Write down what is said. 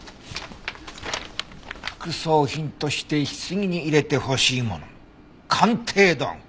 「副葬品として棺に入れてほしいもの」「鑑定道具」。